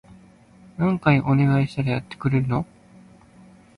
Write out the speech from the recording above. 何回お願いしたらやってくれるの？